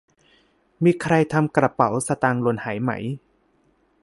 มีใครทำกระเป๋าสตางค์หล่นหายไหม